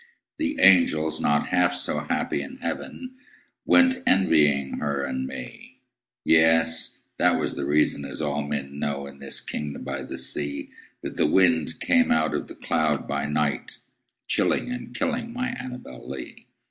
The angels, not half so happy in heaven, Went envying her and me Yes! that was the reason (as all men know, In this kingdom by the sea) That the wind came out of the cloud by night, Chilling and killing my ANNABEL LEE.